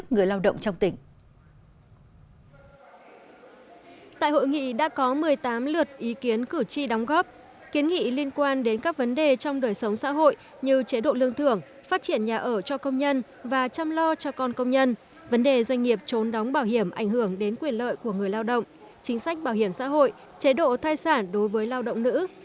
tại hội nghị đã có một mươi tám lượt ý kiến cử tri đóng góp kiến nghị liên quan đến các vấn đề trong đời sống xã hội như chế độ lương thưởng phát triển nhà ở cho công nhân và chăm lo cho con công nhân vấn đề doanh nghiệp trốn đóng bảo hiểm ảnh hưởng đến quyền lợi của người lao động chính sách bảo hiểm xã hội chế độ thai sản đối với lao động nữ